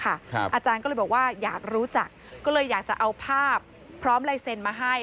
อาจารย์ก็เลยบอกว่าอยากรู้จักก็เลยอยากจะเอาภาพพร้อมลายเซ็นต์มาให้